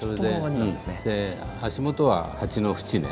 足元は鉢の縁ね。